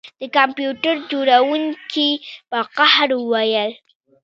د کمپیوټر جوړونکي په قهر وویل